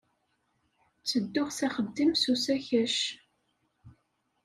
Ttedduɣ s axeddim s usakac.